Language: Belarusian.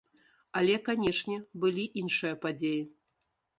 Але, канешне, былі іншыя падзеі.